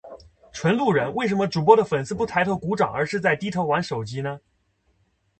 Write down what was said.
纯路人，为什么主播的粉丝不抬头鼓掌而是在低头玩手机呢？